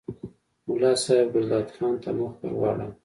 ملا صاحب ګلداد خان ته مخ ور واړاوه.